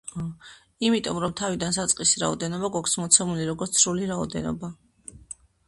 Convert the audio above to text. იმიტომ, რომ თავიდან საწყისი რაოდენობა გვაქვს მოცემული, როგორც სრული რაოდენობა.